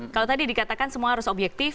kalau tadi dikatakan semua harus objektif